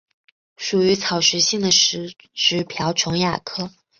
属于草食性的食植瓢虫亚科。